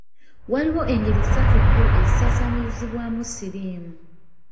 Waliwo engeri ssatu enkulu ezisaasaanyirizibwamu siriimu.